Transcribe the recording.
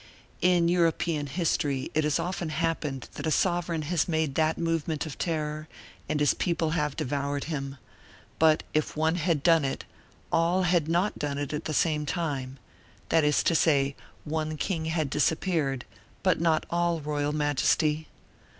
In European history it has often happened that a sovereign has made that movement of terror and his people have devoured him; but if one had done it, all had not done it at the same time, that is to say, one king had disappeared, but not all royal majesty.